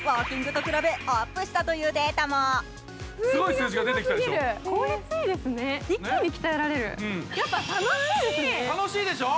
すごい数字が出てきたでしょう？